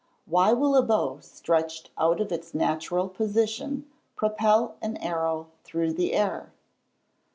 _Why will a bow stretched out of its natural position, propel an arrow through the air?